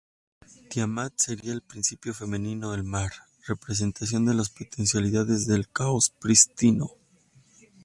Tiamat sería el principio femenino, el mar, representación de las potencialidades del caos prístino.